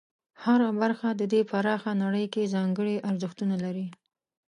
هره برخه د دې پراخه نړۍ کې ځانګړي ارزښتونه لري.